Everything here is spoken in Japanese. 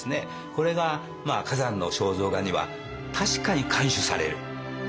これが崋山の肖像画には確かに看取される。